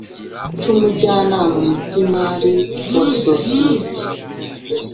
c umujyanama mu by imari wa sosiyete